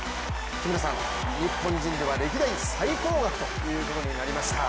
日本人では歴代最高額ということになりました。